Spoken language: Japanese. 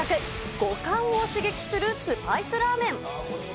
五感を刺激するスパイスラーメン。